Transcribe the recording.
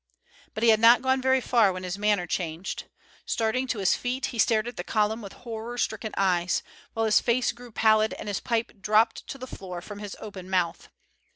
But he had not gone very far when his manner changed. Starting to his feet, he stared at the column with horror stricken eyes, while his face grew pallid and his pipe dropped to the floor from his open mouth.